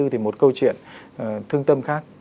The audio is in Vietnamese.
thì một câu chuyện thương tâm khác